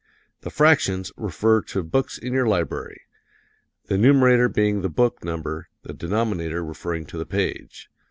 The fractions refer to books in your library the numerator being the book number, the denominator referring to the page.